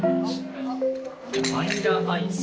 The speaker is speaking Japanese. バニラアイス。